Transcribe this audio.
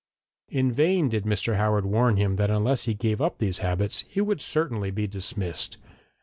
In vain did Mr. Howard warn him that unless he gave up these habits he would certainly be dismissed.